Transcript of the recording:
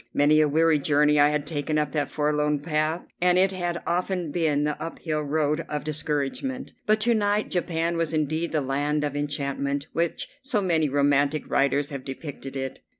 Many a weary journey I had taken up that forlorn path, and it had often been the up hill road of discouragement; but to night Japan was indeed the land of enchantment which so many romantic writers have depicted it.